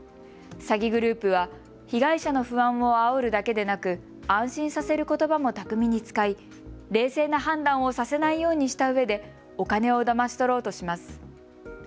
詐欺グループは被害者の不安をあおるだけでなく安心させる言葉も巧みに使い冷静な判断をさせないようにしたうえでお金をだまし取ろうとします。